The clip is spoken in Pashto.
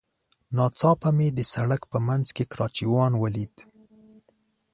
ناڅاپه مې د سړک په منځ کې کراچيوان وليد.